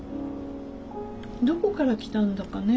どこから来たんだかね